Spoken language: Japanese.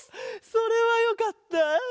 それはよかった！